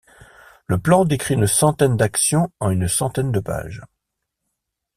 Le plan décrit une centaine d’actions en une centaine de pages.